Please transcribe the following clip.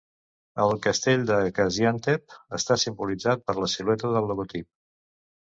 El castell de Gaziantep està simbolitzat per la silueta del logotip.